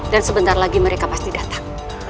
dan sebentar lagi mereka pasti datang